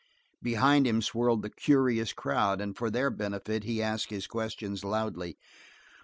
Behind him swirled the curious crowd and for their benefit he asked his questions loudly.